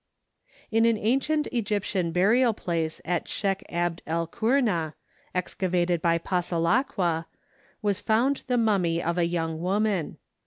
In an ancient Egyptian burial place at Shêch Abd el Qurna, excavated by Passalaqua, was found the mummy of a young woman.